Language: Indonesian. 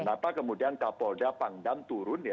kenapa kemudian kapolda pangdam turun ya